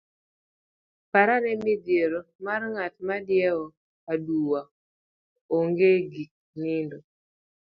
parane midhiero mar ng'at madiewo aduwo, oonge gik nindo,